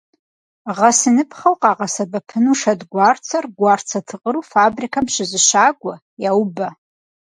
Гъэсыныпхъэу къагъэсэбэпыну шэдгуарцэр гуарцэ тыкъыру фабрикэм щызыщагуэ, яубэ.